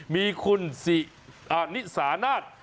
มีคุณสินิสานาธ